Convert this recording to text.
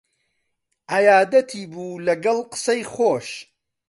عەیادەتی بوو لەگەڵ قسەی خۆش